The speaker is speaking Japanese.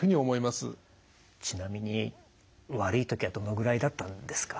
ちなみに悪い時はどのぐらいだったんですか？